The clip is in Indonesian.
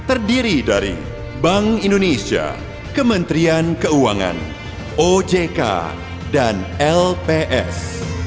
terdiri dari bank indonesia kementerian keuangan ojk dan lps